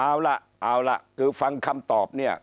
เอาล่ะเอาล่ะคือฟังคำตอบเนี่ย